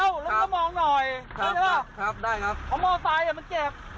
แล้วก็มองหน่อยครับครับได้ครับเอามอเตอร์ไซส์อ่ะมันเจ็บ